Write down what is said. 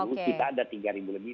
lalu kita ada tiga ribu lebih